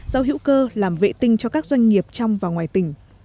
rau hữu cơ làm vệ tinh cho các doanh nghiệp trong và ngoài tỉnh